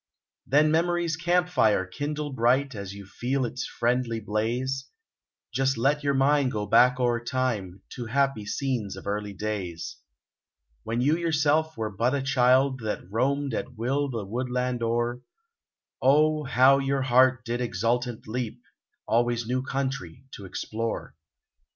Then memory's camp fire kindle bright And as you feel its friendly blaze, Just let your mind go back o'er time To happy scenes of early days. When you yourself were but a child That roamed at will the woodland o'er; Oh! how your heart did exultant leap Always new country to explore.